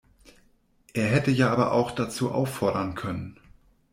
Er hätte ja aber auch dazu auffordern können.